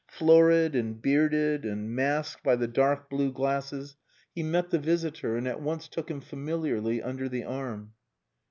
Florid and bearded and masked by the dark blue glasses, he met the visitor, and at once took him familiarly under the arm.